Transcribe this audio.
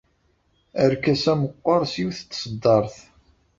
Arkas-a meqqer s yiwet n tṣeddart.